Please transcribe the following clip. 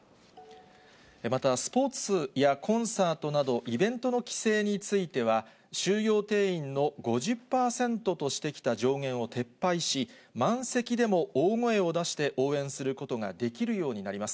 また、スポーツやコンサートなどイベントの規制については、収容定員の５０％としてきた上限を撤廃し、満席でも大声を出して応援することができるようになります。